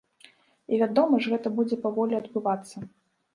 І, вядома ж, гэта будзе паволі адбывацца.